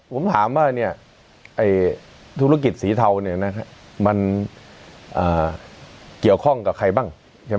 ผมถามว่าธุรกิจสีเทามันเกี่ยวข้องกับใครบ้าง